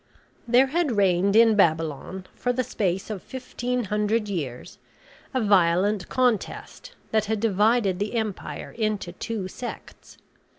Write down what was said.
There had reigned in Babylon, for the space of fifteen hundred years, a violent contest that had divided the empire into two sects.